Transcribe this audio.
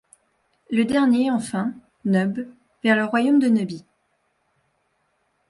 Le dernier enfin, Nub, vers le royaume de Nubie.